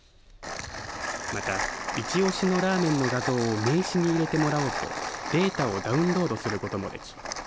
また一押しのラーメンの画像を名刺に入れてもらおうとデータをダウンロードすることもでき